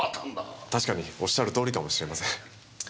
確かにおっしゃる通りかもしれません。